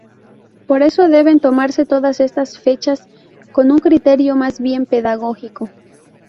Por eso, deben tomarse todas estas fechas con un criterio más bien pedagógico.